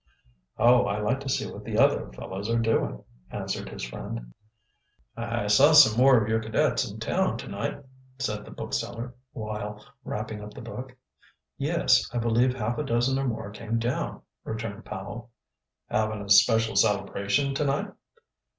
"Oh, I like to see what the other fellows are doing," answered his friend. "I saw some more of your cadets in town to night," said the bookseller, while wrapping up the book. "Yes, I believe half a dozen or more came down," returned Powell. "Having a special celebration to night?"